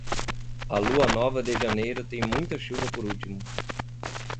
A lua nova de janeiro tem muita chuva por último.